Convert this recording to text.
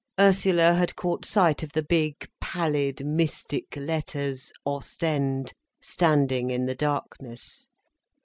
Ursula had caught sight of the big, pallid, mystic letters "OSTEND," standing in the darkness.